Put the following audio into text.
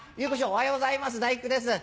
おはようございます太福です」。